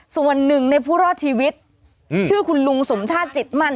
ส่วนหนึ่งในผู้รอดชีวิตชื่อคุณลุงสมชาติจิตมั่น